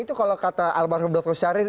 itu kalau kata almarhum dr syahrin